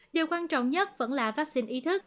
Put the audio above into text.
điều quan trọng nhất vẫn là vaccine ý thức